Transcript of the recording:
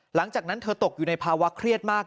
หลังจากนั้นเธอตกอยู่ในภาวะเครียดมาก